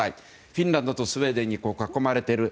フィンランドとスウェーデンに囲まれている